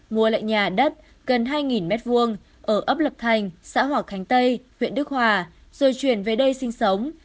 mua lại nhà đất gần hai m hai ở ấp lập thành xã hòa khánh tây huyện đức hòa rồi chuyển về đây sinh sống